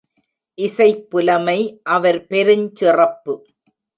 இசைப்புலமை அவர் பெருஞ் சிறப்பு.